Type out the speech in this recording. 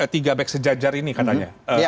tiga back sejajar ini katanya